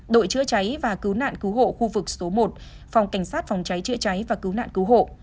đội chữa cháy và cứu nạn cứu hộ khu vực số một phòng cảnh sát phòng cháy chữa cháy và cứu nạn cứu hộ